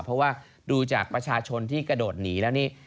เพราะว่าดูจากประชาชนที่กระโดดหนีแล้วนี่